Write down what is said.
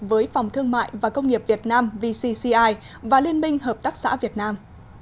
với phòng thương mại và công nghiệp việt nam vcci và liên minh hợp tác xã việt nam